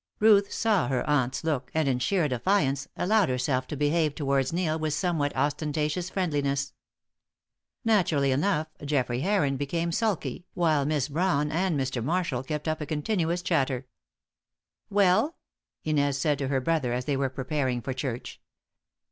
Ruth saw her aunt's look, and, in sheer defiance, allowed herself to behave towards Neil with a somewhat ostentatious friendliness. Naturally enough, Geoffrey Heron became sulky, while Miss Brawn and Mr. Marshall kept up a continuous chatter. "Well?" Inez said to her brother as they were preparing for church.